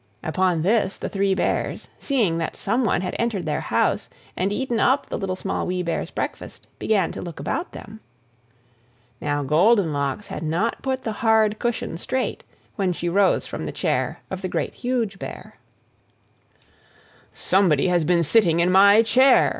Upon this the Three Bears, seeing that someone had entered their house, and eaten up the Little, Small, Wee Bear's breakfast, began to look about them. Now Goldenlocks had not put the hard cushion straight when she rose from the chair of the Great, Huge Bear. "SOMEBODY HAS BEEN SITTING IN MY CHAIR!"